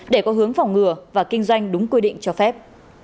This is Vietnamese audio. để có hướng phòng ngừa và kinh doanh đúng quy định cho phép